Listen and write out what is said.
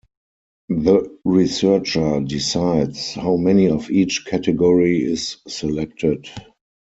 The researcher decides how many of each category is selected.